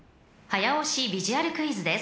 ［早押しビジュアルクイズです］